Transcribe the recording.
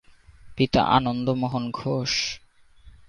পিতা আনন্দমোহন ঘোষ।